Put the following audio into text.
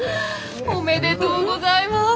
おめでとうございます。